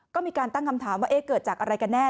ก็มีการตั้งคำถามว่าเกิดจากอะไรกันแน่